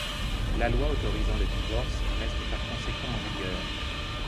La loi autorisant le divorce reste par conséquent en vigueur.